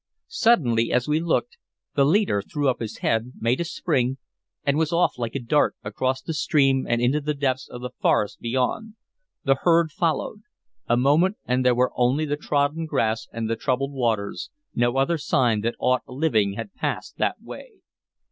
Suddenly, as we looked, the leader threw up his head, made a spring, and was off like a dart, across the stream and into the depths of the forest beyond. The herd followed. A moment, and there were only the trodden grass and the troubled waters; no other sign that aught living had passed that way.